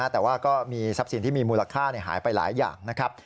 แต่ว่าก็มีทรัพย์สินที่มีมูลค่าหายไปหลายอย่างนะครับ